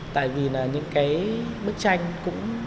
tại vì những bức tranh cũng